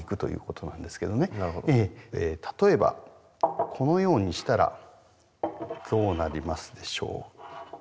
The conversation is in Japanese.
例えばこのようにしたらどうなりますでしょうか？